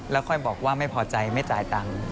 แล้วค่อยบอกว่าไม่พอใจไม่จ่ายตังค์